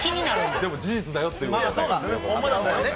でも事実だよっていうことをね。